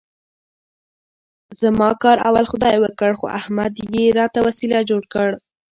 زما کار اول خدای وکړ، خو احمد یې راته وسیله جوړ کړ.